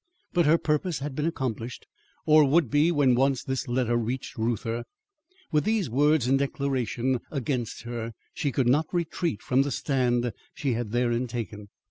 But her purpose had been accomplished, or would be when once this letter reached Reuther. With these words in declaration against her she could not retreat from the stand she had therein taken.